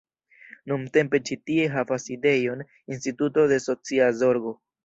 Nuntempe ĉi tie havas sidejon instituto de socia zorgo.